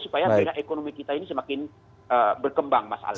supaya ekonomi kita ini semakin berkembang mas ali